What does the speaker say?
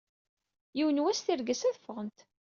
Yiwen n wass tirga-s ad ffɣent.